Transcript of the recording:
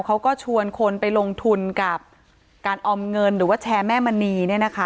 เขาก็ชวนคนไปลงทุนกับการออมเงินหรือแชร์แม่มณี